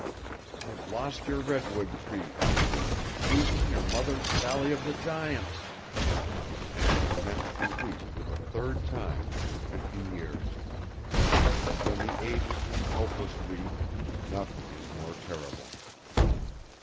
I've lost your redwood trees even your mother's Valley of the Giants." And he commenced to weep for the third time in fifty years. And when the aged and helpless weep, nothing is more terrible.